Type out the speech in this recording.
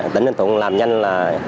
tỉnh ninh thuận làm nhanh là